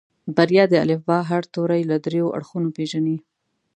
بريا د الفبا هر توری له دريو اړخونو پېژني.